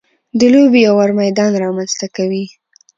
د لوبې یو ه وار میدان رامنځته کوي.